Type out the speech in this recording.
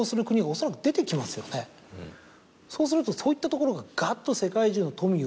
そうするとそういったところがガッと。